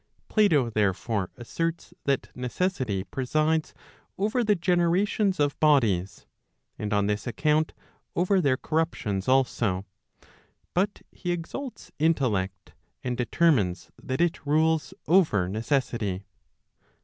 Plato therefore asserts that necessity presides over the generations of bodies, and on this account, over their corruptions also; but he exalts intellect, and determines that it rules over necessity.